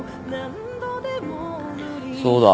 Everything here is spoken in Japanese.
そうだ。